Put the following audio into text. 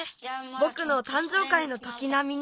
ぼくのたんじょうかいのときなみに！